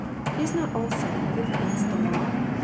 Is not all selling of it against the law?